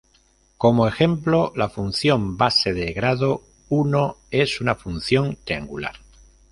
Como ejemplo, la función base de grado uno es una función triangular.